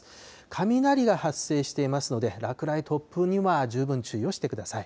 雷が発生していますので、落雷、突風には十分注意をしてください。